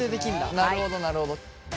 なるほどなるほど。